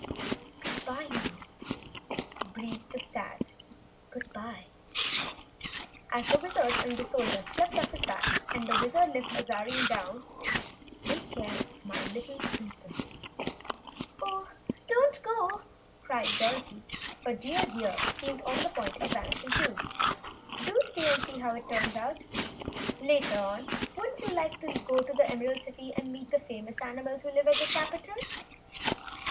"Goodbye, now," breathed the stag, as the Wizard and Soldier slipped off his back and the Wizard lifted Azarine down. "Take care of my little Princess!" "Oh, don't go!" cried Dorothy, for Dear Deer seemed on the point of vanishing, too. "Do stay and see how it all turns out. Later on, wouldn't you like to go to the Emerald City and meet the famous animals who live in the capitol?"